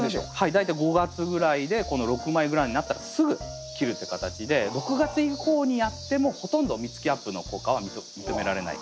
大体５月ぐらいでこの６枚ぐらいになったらすぐ切るっていう形で６月以降にやってもほとんど実つきアップの効果は認められない。